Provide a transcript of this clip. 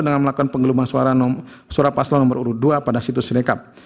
dengan melakukan penggeluman suara paslon nomor urut dua pada situs rekap